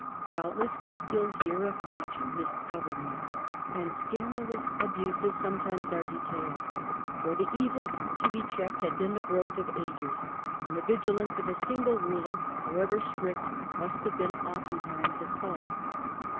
Doubtless we still hear of much misgovernment, and scandalous abuses sometimes are detailed, for the evils to be checked had been the growth of ages, and the vigilance of a single ruler, however strict, must have been oftentimes at fault.